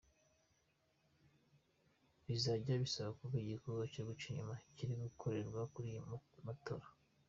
Bizajya bisaba kuba igikorwa cyo guca inyuma kiri gukorerwa kuri iyo matola.